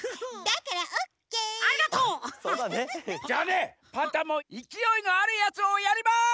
じゃあねパンタンもいきおいのあるやつをやります！